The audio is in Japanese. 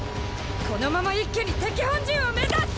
このまま一気に敵本陣を目指す！